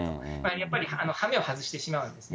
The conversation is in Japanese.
やっぱりはめを外してしまうんですね。